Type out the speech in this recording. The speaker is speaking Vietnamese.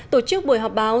tổ chức buổi họp báo